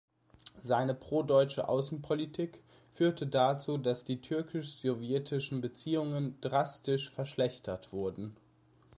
Seine pro-deutsche Außenpolitik führte dazu, dass die türkisch-sowjetischen Beziehungen drastisch verschlechtert wurden.